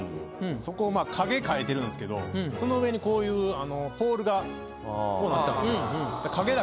そこ影描いてるんすけどその上にこういうポールがこうなってたんすよ。